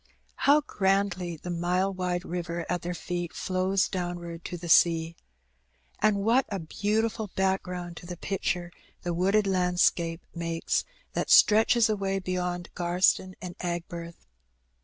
How grandly the mile wide river at their feet flows downward to the sea ! And what a beautiful background to the picture the wooded landscape makes that stretches away beyond Gftrston and Aigburth